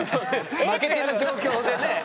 負けた状況でね。